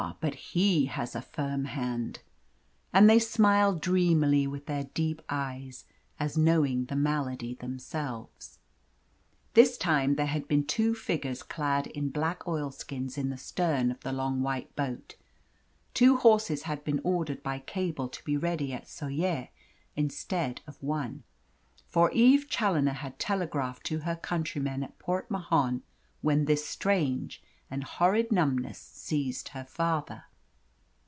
but he has a firm hand." And they smiled dreamily with their deep eyes, as knowing the malady themselves. This time there had been two figures clad in black oilskins in the stern of the long white boat. Two horses had been ordered by cable to be ready at Soller instead of one. For Eve Challoner had telegraphed to her countrymen at Port Mahon when this strange and horrid numbness seized her father.